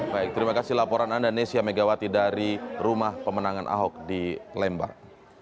baik terima kasih laporan anda nesya megawati dari rumah pemenangan ahok di lembang